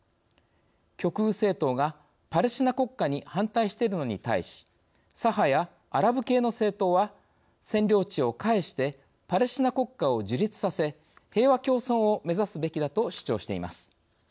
極右政党がパレスチナ国家に反対しているのに対し左派やアラブ系の政党は占領地を返してパレスチナ国家を樹立させ平和共存を目指すべきだと主張しています。